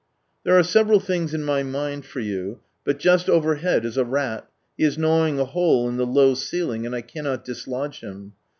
There are several tilings in my mind for you, but just overhead is a rat, he is gnawing a hole in the low ceiling, and I cannot dislodge him.